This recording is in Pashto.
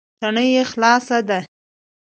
تڼۍ یې خلال ده.